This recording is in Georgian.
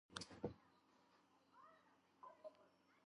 აგებულია ფიქლებითა და პორფირიტებით.